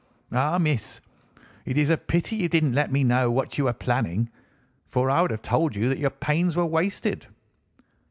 Ah, miss, it is a pity you didn't let me know what you were planning, for I would have told you that your pains were wasted."